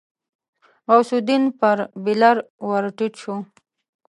غوث الدين پر بېلر ور ټيټ شو.